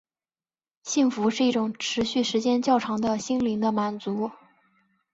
幸福是一种持续时间较长的心灵的满足。